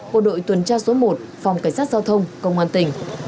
của đội tuần tra số một phòng cảnh sát giao thông công an tỉnh